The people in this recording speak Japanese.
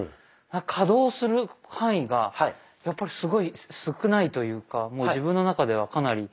可動する範囲がやっぱりすごい少ないというかもう自分の中ではかなりそこまでいかないですね